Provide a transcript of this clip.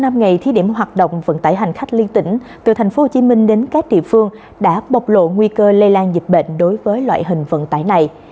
trong ngày thi điểm hoạt động vận tải hành khách liên tỉnh từ tp hcm đến các địa phương đã bộc lộ nguy cơ lây lan dịch bệnh đối với loại hình vận tải này